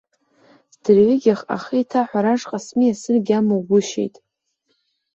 Дырҩегьых ахеиҭаҳәара ашҟа смиасыргьы амугәышьеит.